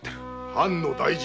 藩の大事。